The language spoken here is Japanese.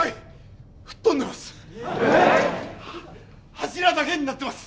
柱だけになってます。